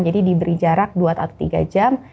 jadi diberi jarak dua atau tiga jam